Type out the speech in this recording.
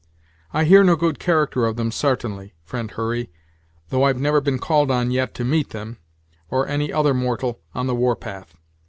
"I hear no good character of 'em, sartainly, friend Hurry, though I've never been called on, yet, to meet them, or any other mortal, on the warpath.